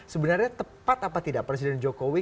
sebenarnya tepat apa tidak presiden jokowi